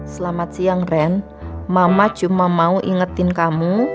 selamat siang ren mama cuma mau ingetin kamu